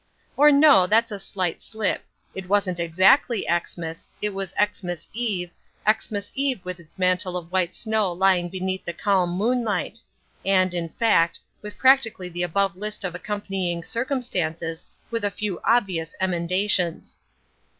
Or no, that's a slight slip; it wasn't exactly Xmas, it was Xmas Eve, Xmas Eve with its mantle of white snow lying beneath the calm moonlight—and, in fact, with practically the above list of accompanying circumstances with a few obvious emendations.